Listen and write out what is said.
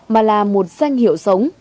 mà là một danh hiệu sống